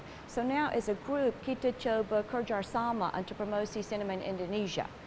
jadi sekarang sebagai satu grup kita coba bekerja sama untuk mempromosi seniman indonesia